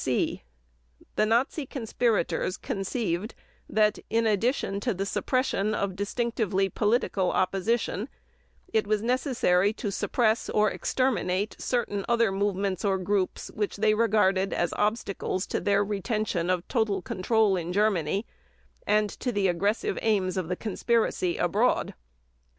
(c) The Nazi conspirators conceived that, in addition to the suppression of distinctively political opposition, it was necessary to suppress or exterminate certain other movements or groups which they regarded as obstacles to their retention of total control in Germany and to the aggressive aims of the conspiracy abroad.